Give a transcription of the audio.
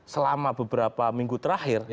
selama beberapa minggu terakhir